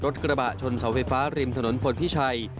กระบะชนเสาไฟฟ้าริมถนนพลพิชัย